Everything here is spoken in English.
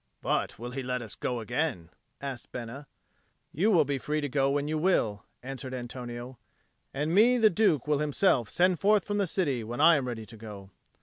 "But will he let us go again?" asked Bena. "You will be free to go when you will," answered Antonio, "and me the Duke will himself send forth from the city when I am ready to go."